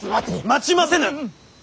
待ちませぬ！